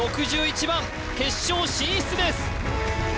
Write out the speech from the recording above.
６１番決勝進出です！